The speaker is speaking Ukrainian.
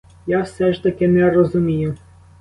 Я все ж таки не розумію.